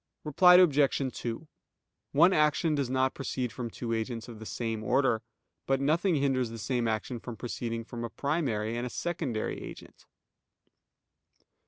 Reply Obj. 2: One action does not proceed from two agents of the same order. But nothing hinders the same action from proceeding from a primary and a secondary agent.